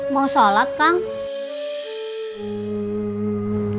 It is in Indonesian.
mau shalat kang